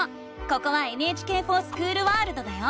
ここは「ＮＨＫｆｏｒＳｃｈｏｏｌワールド」だよ！